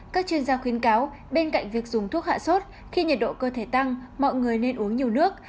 các chuyên gia khuyến cáo bên cạnh việc dùng thuốc hạ sốt khi nhiệt độ cơ thể tăng mọi người nên uống nhiều nước